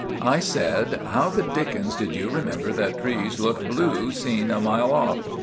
I said— "How the dickens did you remember that trees look blue seen a mile off?"